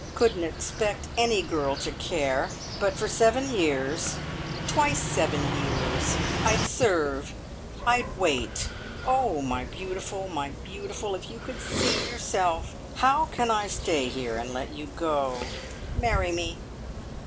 Couldn't expect any girl to care; but for seven years twice seven years I'd serve, I'd wait. Oh, my beautiful, my beautiful if you could see yourself! How can I stay here, and let you go? Marry me!